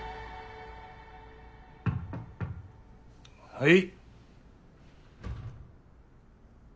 はい。